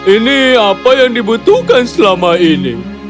ini apa yang dibutuhkan selama ini